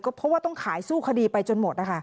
เพราะว่าต้องขายสู้คดีไปจนหมดนะคะ